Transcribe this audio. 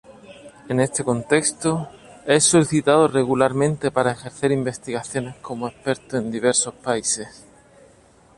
En este contexto, es solicitado regularmente para ejercer investigaciones como experto en diversos países.